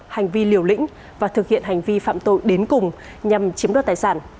hành vi liều lĩnh và thực hiện hành vi phạm tội đến cùng nhằm chiếm đoạt tài sản